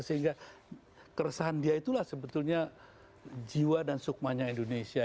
sehingga keresahan dia itulah sebetulnya jiwa dan sukmanya indonesia